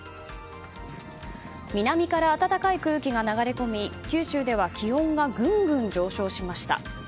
南から暖かい空気が流れ込み九州では気温がぐんぐん上昇しました。